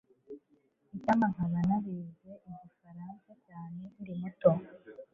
Icyampa nkaba narize Igifaransa cyane nkiri muto